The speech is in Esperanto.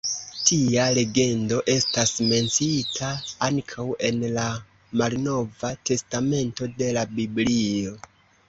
Tia legendo estas menciita ankaŭ en la Malnova Testamento de la Biblio.